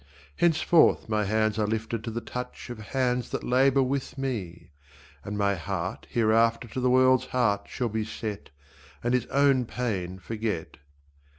Henceforth my hands are lifted to the touch Of hands that labour with me, and my heart Hereafter to the world's heart shall be set And its own pain forget.